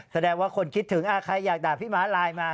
แสดงว่าคนคิดถึงใครอยากด่าพี่ม้าไลน์มา